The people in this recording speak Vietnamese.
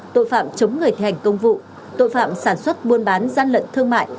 tội phạm chống người thể hành công vụ tội phạm sản xuất muôn bán gian lận thương mại